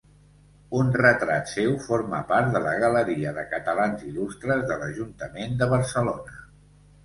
Un retrat seu forma part de la Galeria de Catalans Il·lustres de l'Ajuntament de Barcelona.